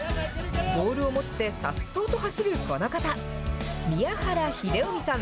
ボールを持って颯爽と走るこの方、宮原英臣さん